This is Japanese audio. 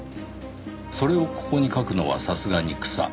「それをココに書くのはさすがに草」